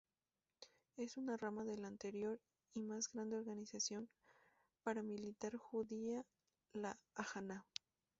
Es una rama de la anterior y más grande organización paramilitar judía la Haganá.